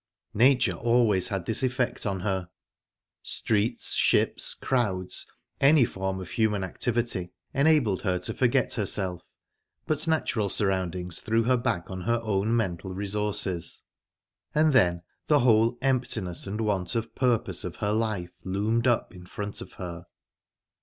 Nature always had this effect on her. Streets, ships, crowds, any form of human activity, enabled her to forget herself, but natural surroundings threw her back on her own mental resources, and then the whole emptiness and want of purpose of her life loomed up in front of her...